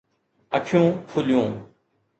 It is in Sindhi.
اکيون کُليون